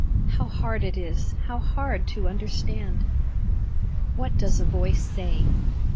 How hard it is, how hard to understand ! What does a voice say